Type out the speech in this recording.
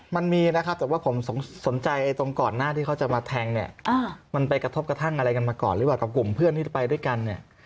มันมีนะครับแต่ว่าผมสนใจตรงก่อนหน้าที่เขาจะมาแทงเนี่ยมันไปกระทบกระทั่งอะไรกันมาก่อนหรือเปล่ากับกลุ่มเพื่อนที่ไปด้วยกันเนี่ย